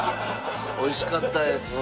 美味しかったです。